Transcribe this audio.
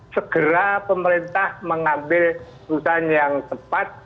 segera pemerintah mengambil keputusan yang tepat